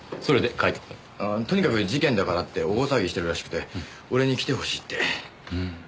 カイトくん。とにかく事件だからって大騒ぎしてるらしくて俺に来てほしいって。